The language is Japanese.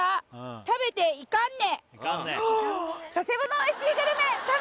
「食べて行かんね！」